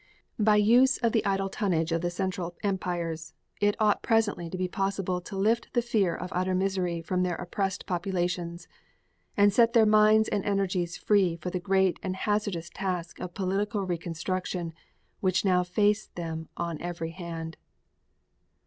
By the use of the idle tonnage of the Central Empires it ought presently to be possible to lift the fear of utter misery from their oppressed populations and set their minds and energies free for the great and hazardous tasks of political reconstruction which now face them on every hand.